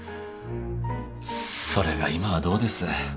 それが今はどうです？